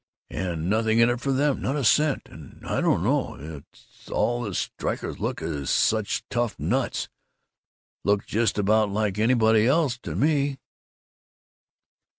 And nothing in it for them, not a cent! And I don't know 's all the strikers look like such tough nuts. Look just about like anybody else to me!"